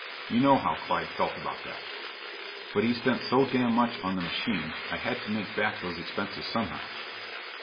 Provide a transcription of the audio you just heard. You know how Clyde felt about that." "But he spent so damned much on the machine. I had to make back those expenses somehow."